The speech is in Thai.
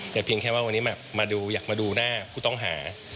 แต่เพียงแค่ว่าวันนี้อยากมาดูหน้าผู้ต้องหา